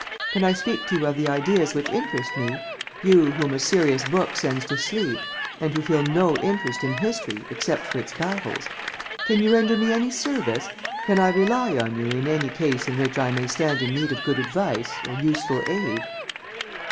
Can I speak to you of the ideas which interest me? You, whom a serious book sends to sleep, and who feel no interest in history, except for its battles? Can you render me any service? Can I rely on you, in any case in which I may stand in need of good advice, or useful aid?"